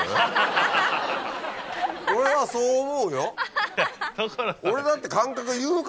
俺はそう思うよ。